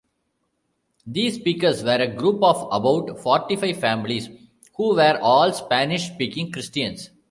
These speakers were a group of about forty-five families who were all Spanish-speaking Christians.